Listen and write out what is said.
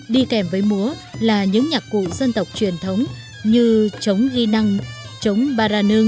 đi kèm với múa là những nhạc cụ dân tộc truyền thống như trống ghi năng trống ba ra nương